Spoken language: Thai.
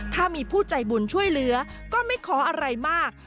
ถ้ามีผู้ใจบุญช่วยเหลือก็ไม่ขออะไรมาก